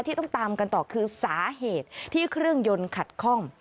ที่ต้องตามกันต่อคือสาเหตุที่เครื่องยนต์ขัดคล่อง